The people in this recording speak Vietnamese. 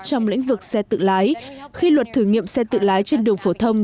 trong lĩnh vực xe tự lái khi luật thử nghiệm xe tự lái trên đường phổ thông